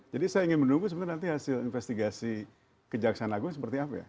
jadi saya ingin menunggu sebenarnya nanti hasil investigasi kejaksaan agung seperti apa ya